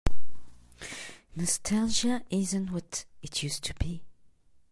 Nostalgia isn't what it used to be.